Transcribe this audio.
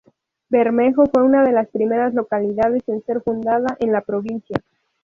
Bermejo fue una de las primeras localidades en ser fundada en la provincia.